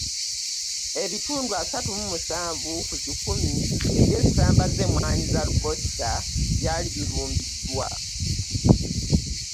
Ebitundu asatu mu musanvu ku kikumi eby’essamba z’emmwanyi za Robasita byali birumbiddwa.